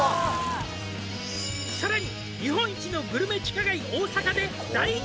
「さらに」